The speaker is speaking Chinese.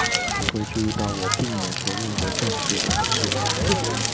你会注意到我避免说任何政治的事。